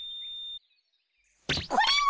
これは！